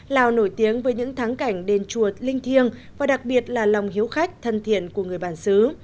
lào nổi tiếng với những thắng cảnh đền chùa linh thiêng và đặc biệt là lòng hiếu khách thân thiện của người bản xứ